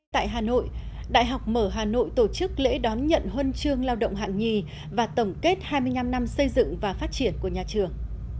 tại hà nội đại học mở hà nội tổ chức lễ đón nhận huân chương lao động hạng nhì và tổng kết hai mươi năm năm xây dựng và phát triển của nhà trường